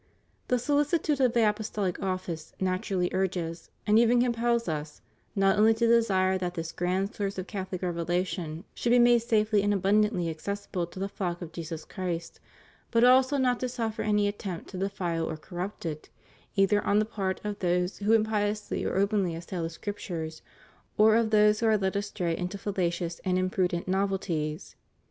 The sohcitude of the apostohc office naturally urges, and even compels us, not only to desire that this grand source of Cathohc revelation should be made safely and abundantly accessible to the flock of Jesus Christ, but also not to suffer any attempt to defile or corrupt it, either on the part of those who impiously or openly assaU the Scriptures, or of those who are led astray into fallacious and imprudent novelties.